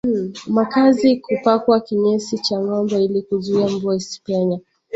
Makazi kupakwa kinyesi cha ngombe ili kuzuia mvua isipenye